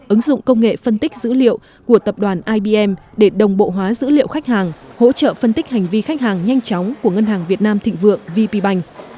ứng dụng công nghệ phân tích dữ liệu của tập đoàn ibm để đồng bộ hóa dữ liệu khách hàng hỗ trợ phân tích hành vi khách hàng nhanh chóng của ngân hàng việt nam thịnh vượng vp bank